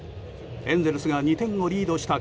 エンゼルスが２点をリードした